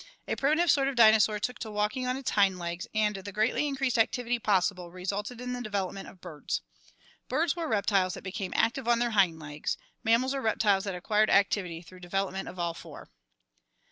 A primitive sort of dinosaur took to walking on its hind legs, and the greatly increased activity possible resulted in the development of birds. Birds were reptiles that became active on their hind legs, mammals are reptiles that acquired activity through the develop ment of all four."